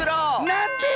なんで⁉